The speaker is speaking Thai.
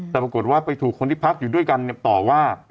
แต่ปรากฏว่าไปถูกคนที่พักอยู่ด้วยกันต่อว่า